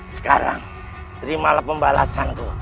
sekarang terimalah pembalasanku